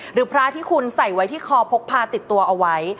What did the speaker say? หรือพระที่คุณใส่ไว้ที่คอพกพาติดตัวเอาไว้